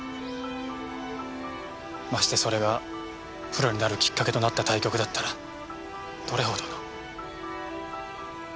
ましてそれがプロのなるきっかけとなった対局だったらどれほどの。